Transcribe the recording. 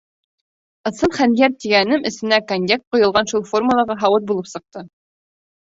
Ысын хәнйәр тигәнем эсенә коньяк ҡойолған шул формалағы һауыт булып сыҡты.